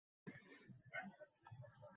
চীন ও জাপান এই ফুলের আদি নিবাস।